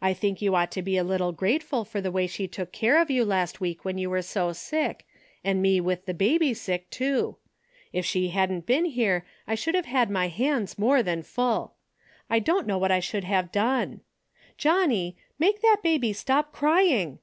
I think you ought to be a little grateful for the way she took care of you last week when you were so sick, and me with the baby sick, too. If she hadn't been here I should have had my hands more than full. I don't know what I should have done. Johnnie, make that baby stop crying